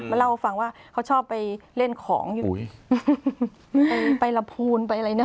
เล่าให้ฟังว่าเขาชอบไปเล่นของอยู่ไปละพูนไปอะไรนะ